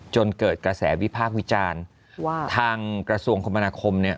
จนเกิดกระแสวิพากษ์วิจารณ์ว่าทางกระทรวงคมนาคมเนี่ย